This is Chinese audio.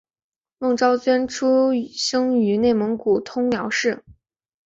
孟昭娟出生于内蒙古通辽市。